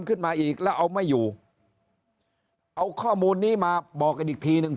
ขึ้นมาอีกแล้วเอาไม่อยู่เอาข้อมูลนี้มาบอกกันอีกทีหนึ่ง